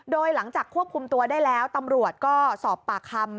โดยหลังจากควบคุมตัวได้แล้วตำรวจก็สอบปากคำ